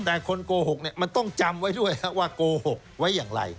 แต่คนโกหกเนี่ยมันต้องจำไว้ด้วยว่าโกหกไว้อย่างไร